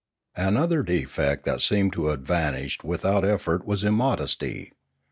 Another defect that seemed to have vanished with out effort was immodesty.